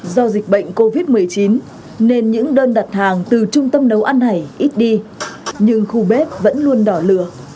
do dịch bệnh covid một mươi chín nên những đơn đặt hàng từ trung tâm nấu ăn này ít đi nhưng khu bếp vẫn luôn đỏ lửa